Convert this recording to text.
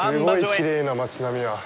すごいきれいな街並みや。